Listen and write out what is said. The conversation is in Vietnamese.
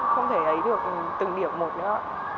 không thể lấy được từng điểm một nữa ạ